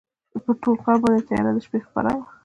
پر ټول ښار باندي تیاره د شپې خپره وه